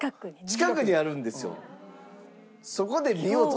近くにあるんですよ。